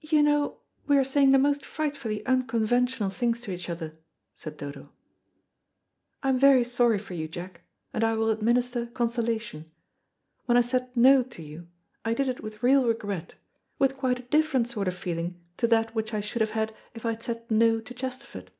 "You know we are saying the most frightfully unconventional things to each other," said Dodo. "I am very sorry for you, Jack, and I will administer consolation. When I said 'No' to you, I did it with real regret, with quite a different sort of feeling to that which I should have had if I had said 'No' to Chesterford.